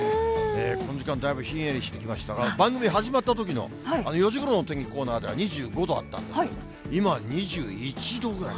この時間、だいぶひんやりしてきましたが、番組始まったときのあの４時ごろのときのコーナーでは２５度あったんですけれども、今は２１度ぐらい。